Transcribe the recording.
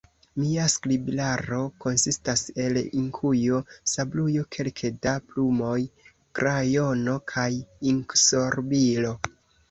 Mia skribilaro konsistas el inkujo, sablujo, kelke da plumoj, krajono kaj inksorbilo.